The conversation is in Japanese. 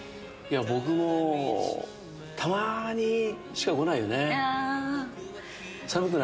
僕もたまにしか来ないよね。